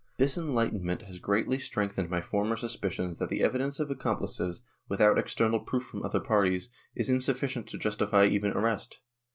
This enhghtenment has greatly strengthened my former suspicions that the evidence of accom plices, without external proof from other parties, is insufficient to justify even arrest.